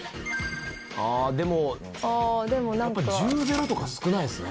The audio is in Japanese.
「ああでもやっぱ１０・０とか少ないですね」